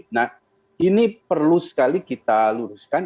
nah ini perlu sekali kita luruskan